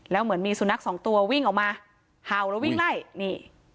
แล้วเหมือนมีสุนัขสองตัววิ่งออกมาเห่าแล้ววิ่งไล่นี่